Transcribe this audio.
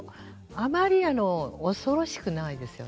あまり恐ろしくないですよね。